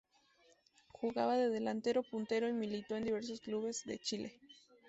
Jugaba de delantero, puntero, y militó en diversos clubes de Chile.